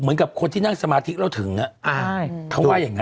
เหมือนกับคนที่นั่งสมาธิเมื่อเราถึง